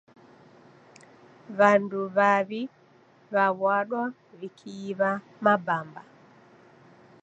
W'andu w'aw'i w'aw'adwa w'ikiiwa mabamba.